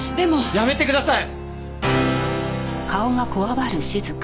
やめてください！